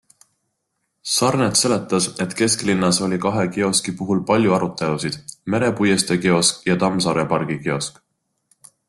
Sarnet seletas, et kesklinnas oli kahe kioski puhul palju arutelusid- Mere puiestee kiosk ja Tammsaare pargi kiosk.